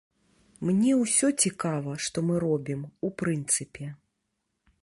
Мне ўсё цікава, што мы робім, у прынцыпе.